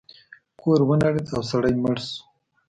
کور ونړید او سړی مړ شو.